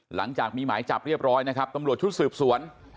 หลังจากมีหมายจับเรียบร้อยนะครับตำรวจชุดสืบสวน